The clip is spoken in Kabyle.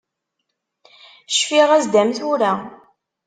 Cfiɣ-as-d am tura.